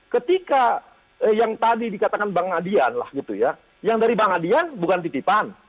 ketika yang tadi dikatakan bang adian lah gitu ya yang dari bang adian bukan titipan